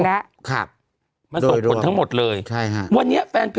โทษทีน้องโทษทีน้อง